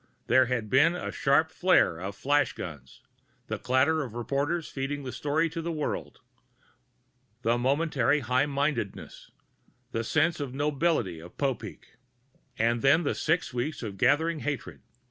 There had been the sharp flare of flash guns, the clatter of reporters feeding the story to the world, the momentary high mindedness, the sense of the nobility of Popeek.... And then the six weeks of gathering hatred.